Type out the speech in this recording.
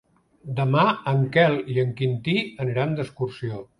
Demà en Quel i en Quintí aniran d'excursió.